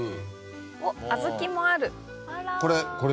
おっ小豆もある。